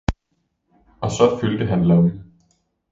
og så fyldte han lommen.